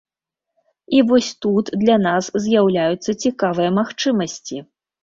І вось тут для нас з'яўляюцца цікавыя магчымасці.